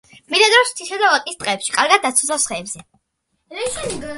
ბინადრობს მთისა და ვაკის ტყეებში, კარგად დაცოცავს ხეებზე.